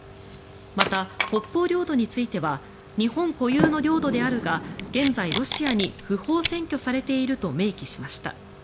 また、北方領土については日本固有の領土であるが現在、ロシアに不法占拠されていると明記しました。